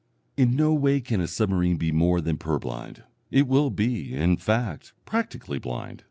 In no way can a submarine be more than purblind, it will be, in fact, practically blind.